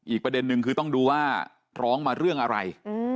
ประเด็นนึงคือต้องดูว่าร้องมาเรื่องอะไร